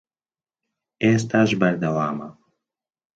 ئێستاش بەردەوامە